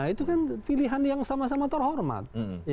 itu kan pilihan yang sama sama terhormat